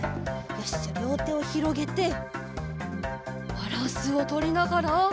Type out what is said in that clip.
よしじゃありょうてをひろげてバランスをとりながら。